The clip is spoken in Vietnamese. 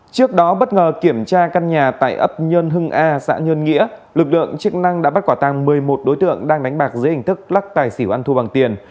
trước đó bất ngờ kiểm tra căn nhà tại ấp nhơn hưng a xã nhơn nghĩa lực lượng chức năng đã bắt quả tăng một mươi một đối tượng đang đánh bạc dưới hình thức lắc tài xỉu ăn thua bằng tiền